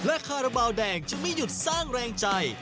และคาราบาลแดงจึงไม่หยุดสร้างแรงใจ